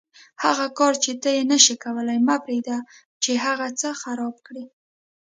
هغه کار چې ته یې نشې کولای مه پرېږده چې هغه څه خراب کړي.